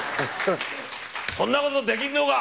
そんなことできるのか？